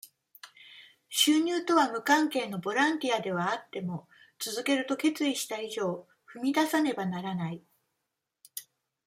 収入とは無関係のボランティアではあっても、続けると決意した以上、踏み出さねばならない。